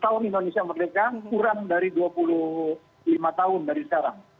seratus tahun indonesia yang berdekat kurang dari dua puluh lima tahun dari sekarang